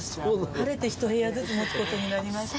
晴れて１部屋ずつ持つ事になりまして。